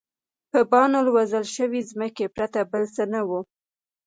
په بمانو الوزول شوې ځمکې پرته بل څه نه وو.